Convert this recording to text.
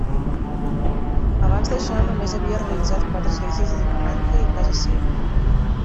Abans d'això només havia realitzat quatre esglésies a Dinamarca i casa seva.